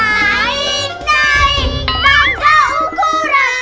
naik naik bangga ukuran